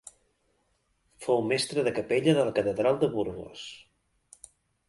Fou mestre de capella de la catedral de Burgos.